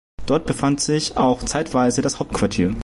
Dort befand sich auch zeitweise das Hauptquartier.